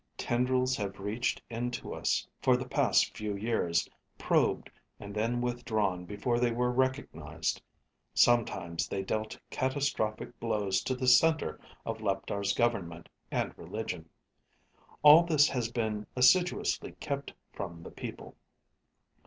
Tendrils have reached into us for the past few years, probed, and then withdrawn before they were recognized. Sometimes they dealt catastrophic blows to the center of Leptar's government and religion. All this has been assiduously kept from the people.